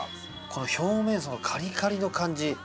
この表面そのカリカリの感じ。